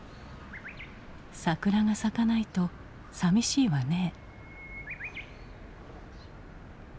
「桜が咲かないとさみしいわね」。